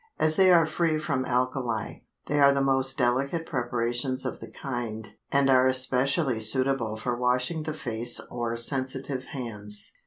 As they are free from alkali, they are the most delicate preparations of the kind and are especially suitable for washing the face or sensitive hands.